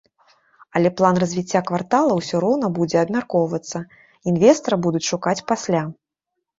Але план развіцця квартала ўсё роўна будзе абмяркоўвацца, інвестара будуць шукаць пасля.